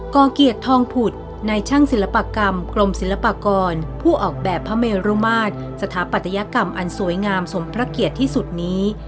กเกียรติทองผุดในช่างศิลปกรรมกรมศิลปากรผู้ออกแบบพระเมรุมาตรสถาปัตยกรรมอันสวยงามสมพระเกียรติที่สุดนี้